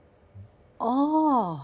ああ。